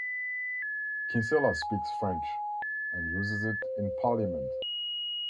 Kinsella speaks French, and uses it in parliament.